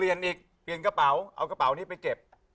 เปลี่ยนอีกเปลี่ยนกระเป๋าเอากระเป๋านี้ไปเก็บ